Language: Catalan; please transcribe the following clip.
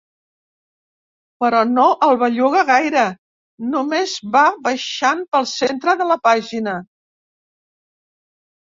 Però no el belluga gaire, només va baixant pel centre de la pàgina.